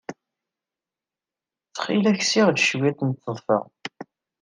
Ttxil-k, seɣ-d cwiṭ n tḍeffa.